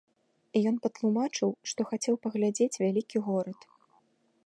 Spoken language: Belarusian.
Ён патлумачыў, што хацеў паглядзець вялікі горад.